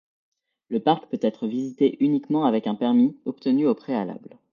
Le parc peut être visité uniquement avec un permis obtenu au préalable.